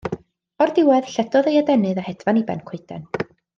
O'r diwedd lledodd ei adenydd a hedfan i ben coeden.